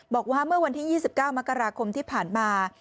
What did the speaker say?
บอกว่าเมื่อวันที่๒๙มกราคมที่ผ่านมา